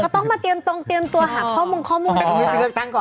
เขาต้องมาเตรียมตรงเตรียมตัวหาข้อมูลข้อมูล